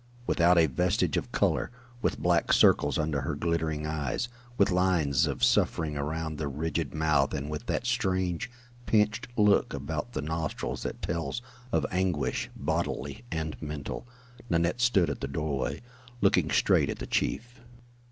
Without a vestige of color; with black circles under her glittering eyes; with lines of suffering around the rigid mouth and with that strange pinched look about the nostrils that tells of anguish, bodily and mental, Nanette stood at the doorway, looking straight at the chief.